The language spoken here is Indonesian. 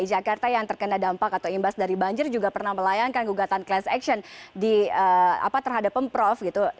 warga dki jakarta yang terkena dampak atau imbas dari banjir juga pernah melayankan gugatan kelas action di apa terhadap pemprov gitu